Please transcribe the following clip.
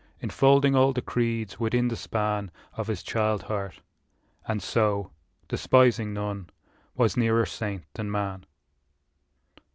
Enfolding all the creeds within the span Of his child heart; and so, despising none, Was nearer saint than man.